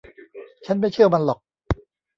ฉันไม่เชื่อมันหรอก